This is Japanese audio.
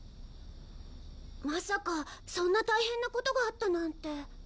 まさかそんな大変なことがあったなんて。